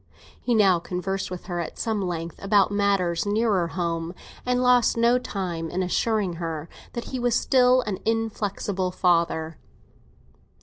But he conversed with her at some length about matters nearer home, and lost no time in assuring her that he was still an inflexible father.